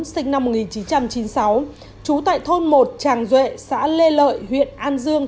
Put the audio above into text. sinh năm một nghìn chín trăm chín mươi sáu trú tại thôn một tràng duệ xã lê lợi huyện an dương